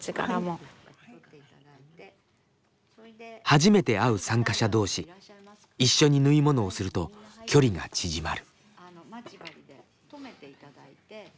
初めて会う参加者同士一緒に縫い物をすると距離が縮まる。